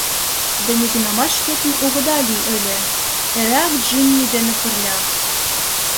— Да нигунамат шкетын огыда лий ыле... эреак Джимми дене пырля.